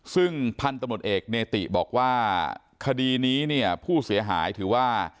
ซึ่งพันธุ์ตำรวจเอกเนติบอกว่าคดีนี้เนี่ยผู้เสียหายถือว่า